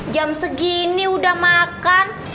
jam segini udah makan